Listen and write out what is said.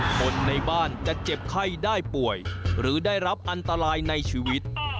คนในบ้านจะเจ็บไข้ได้ป่วยหรือได้รับอันตรายในชีวิต